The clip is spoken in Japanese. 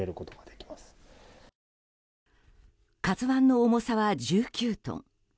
「ＫＡＺＵ１」の重さは１９トン。